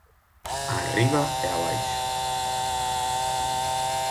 Arriba e abaixo.